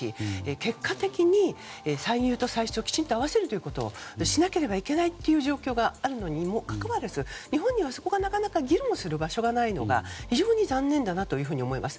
結果的に、歳入と歳出をきちんと合わせるということをしなければならない状況があるのにもかかわらず日本には、そこがなかなか議論する場所がないのが非常に残念だなと思います。